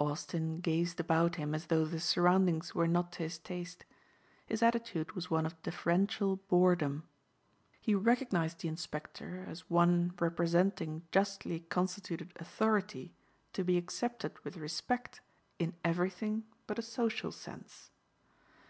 Austin gazed about him as though the surroundings were not to his taste. His attitude was one of deferential boredom. He recognized the inspector as one representing justly constituted authority to be accepted with respect in everything but a social sense.